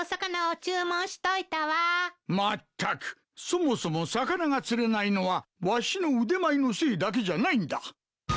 そもそも魚が釣れないのはわしの腕前のせいだけじゃないんだ。